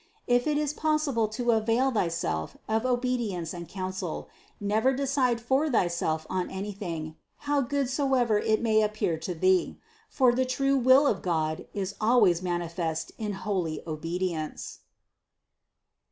If it is possible to avail thyself of obedience and counsel, never decide for thyself on anything, how good soever it may appear to thee ; for the true will of God is always manifest in holy obedience.